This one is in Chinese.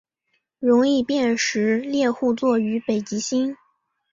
容易辨识猎户座与北极星